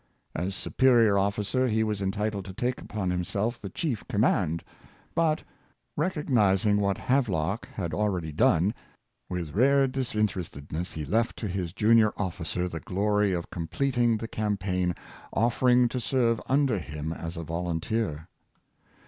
As superior officer, he was entitled to take upon himself the chief command; but, recognizing what Havelock had already done, with rare disinterestedness he left to his junior officer the glory of completing the campaign, offering to serve under him as a volunteer.